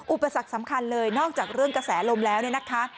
อุปสรรคสำคัญเลยนอกจากเรื่องกระแสลมแล้วเนี่ยนะคะ